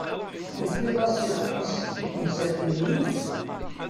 Tufiḍ-as ixf-is i temsalt-nni?